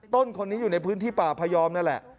คนนี้อยู่ในพื้นที่ป่าพยอมนั่นแหละ